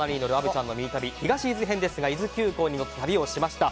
虻ちゃんのミニ旅東伊豆編ですが伊豆急行線に乗って旅をしました。